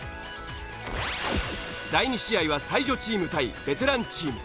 第２試合は才女チーム対ベテランチーム。